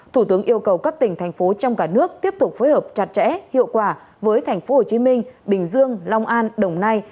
thủ tướng yêu cầu các tỉnh thành phố trong cả nước tiếp tục phối hợp chặt chẽ hiệu quả với thành phố hồ chí minh bình dương long an đồng nai